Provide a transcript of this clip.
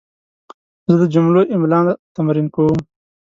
زه د جملو املا تمرین کوم.